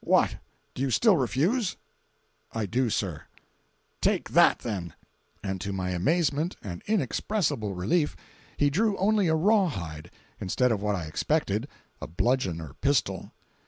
"What! do you still refuse?" "I do, sir." "Take that, then," and to my amazement and inexpressible relief he drew only a rawhide instead of what I expected—a bludgeon or pistol.